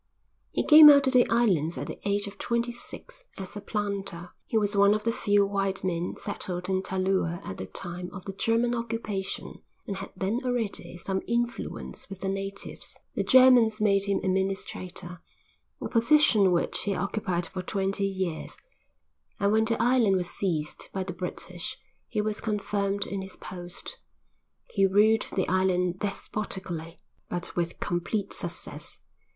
He came out to the islands at the age of twenty six as a planter. He was one of the few white men settled in Talua at the time of the German occupation and had then already some influence with the natives. The Germans made him administrator, a position which he occupied for twenty years, and when the island was seized by the British he was confirmed in his post. He ruled the island despotically, but with complete success.